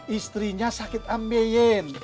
istrinya sakit ambeien